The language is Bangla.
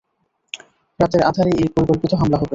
রাতের আঁধারেই এ পরিকল্পিত হামলা হবে।